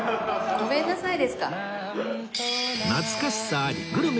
ごめんなさい。